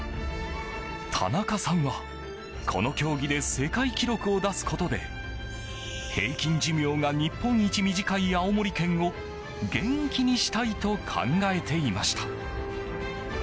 田中さんは、この競技で世界記録を出すことで平均寿命が日本一短い青森県を元気にしたいと考えていました。